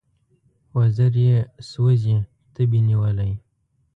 وزر یې سوزي تبې نیولی